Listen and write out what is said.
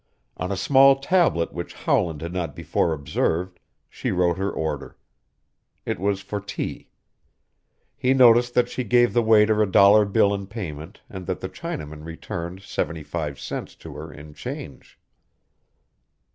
On a small tablet which Howland had not before observed she wrote her order. It was for tea. He noticed that she gave the waiter a dollar bill in payment and that the Chinaman returned seventy five cents to her in change.